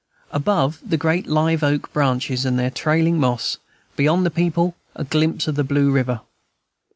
Above, the great live oak branches and their trailing moss; beyond the people, a glimpse of the blue river.